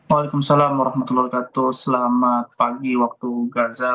waalaikumsalam warahmatullahi wabarakatuh selamat pagi waktu gaza